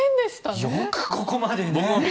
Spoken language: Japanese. よくここまでね。